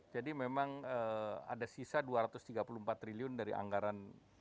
jadi memang ada sisa dua ratus tiga puluh empat triliun dari anggaran tahun kemarin